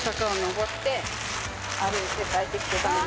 歩いて帰ってきてたんです